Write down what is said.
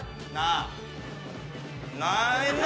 なあ？